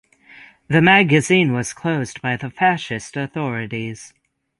The magazine was closed by the fascist authorities.